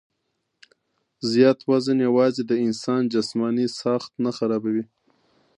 زيات وزن يواځې د انسان جسماني ساخت نۀ خرابوي